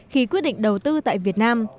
khi quyết định đầu tư tại việt nam